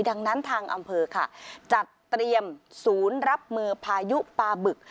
ดังนั้นทางอำเภอค่ะจัดเตรียมศูนย์รับมือพายุปลาบึก